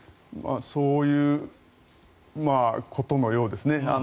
そういうことのようですね